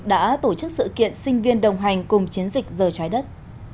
đã tổ chức sự kiện sinh viên đồng hành cùng chiến dịch giờ trái đất